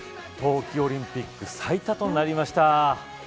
冬季オリンピック最多となりました。